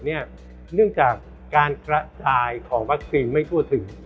เนื่องจากการกระจายของวัคซีนไม่ทั่วถึง